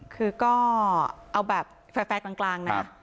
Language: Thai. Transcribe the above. คือก็เอาแบบแฟร์กลางนะ